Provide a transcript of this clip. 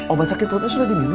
obat sakit perutnya sudah diminum